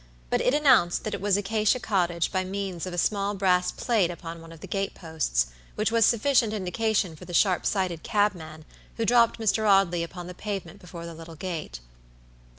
But it announced that it was Acacia Cottage by means of a small brass plate upon one of the gate posts, which was sufficient indication for the sharp sighted cabman, who dropped Mr. Audley upon the pavement before the little gate.